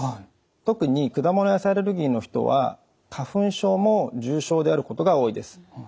特に果物・野菜アレルギーの人は花粉症も重症であることが多いです。